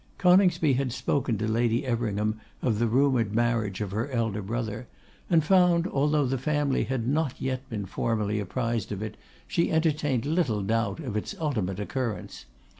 Coningsby had spoken to Lady Everingham of the rumoured marriage of her elder brother, and found, although the family had not yet been formally apprised of it, she entertained little doubt of its ultimate occurrence.